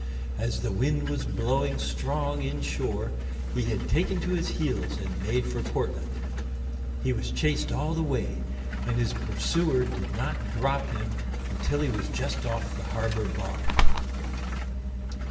As the wind was blowing strong inshore, he had taken to his heels and made for Portland. He was chased all the way, and his pursuer did not drop him until he was just off the harbor bar.